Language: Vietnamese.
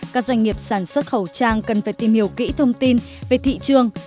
các doanh nghiệp sản xuất khẩu trang cần phải tìm hiểu kỹ thông tin về thị trường